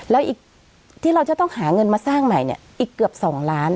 แล้วอีกที่เราจะต้องหาเงินมาสร้างใหม่เนี่ยอีกเกือบ๒ล้าน